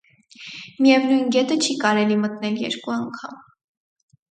Միևնույն գետը չի կարելի մտնել երկու անգամ։